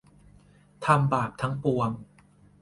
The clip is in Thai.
ทำบาปทั้งปวง